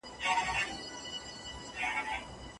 که ته په دقت سره قلم وچلوې.